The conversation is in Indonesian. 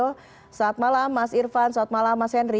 selamat malam mas irfan selamat malam mas henry